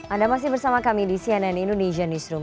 anda masih bersama kami di cnn indonesia newsroom